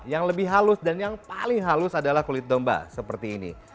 yang lebih halus dan yang paling halus adalah kulit domba seperti ini